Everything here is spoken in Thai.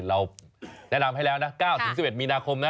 เราแนะนำให้แล้วนะ๙๑๑มีนาคมนะ